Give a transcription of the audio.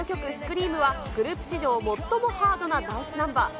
グループ史上最もハードなダンスナンバー。